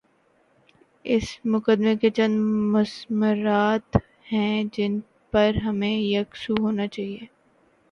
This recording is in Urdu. اس مقدمے کے چند مضمرات ہیں جن پر ہمیں یک سو ہونا ہے۔